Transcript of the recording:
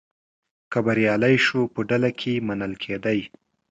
که بریالی شو په ډله کې منل کېدی.